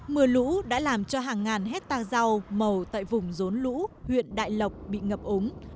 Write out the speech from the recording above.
mưa lũ đã làm cho hàng ngàn hectare rau màu tại vùng rốn lũ huyện đại lộc bị ngập ống